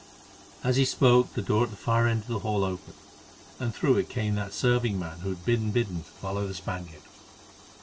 As he spoke the door at the far end of the hall opened, and through it came that serving man who had been bidden to follow the Spaniard.